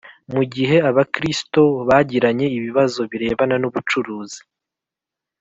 Mu Gihe Abakristo Bagiranye Ibibazo Birebana N Ubucuruzi